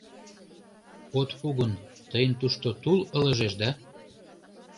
От пу гын, тыйын тушто тул ылыжеш да?